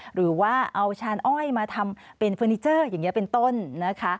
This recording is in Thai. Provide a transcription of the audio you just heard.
หรือว่าเอาชานอ้อยมาทำเป็นเฟอร์นิเจอร์อย่างนี้เป็นต้นนะคะ